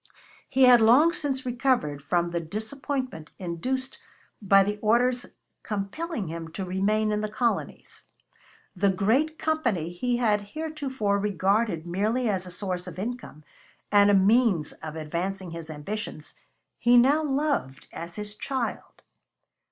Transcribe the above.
He had long since recovered from the disappointment induced by the orders compelling him to remain in the colonies. The great Company he had heretofore regarded merely as a source of income and a means of advancing his ambitions, he now loved as his child.